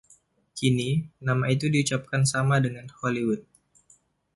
Kini, nama itu diucapkan sama dengan “Hollywood”.